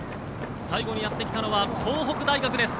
最後にやってきたのは東北大学です。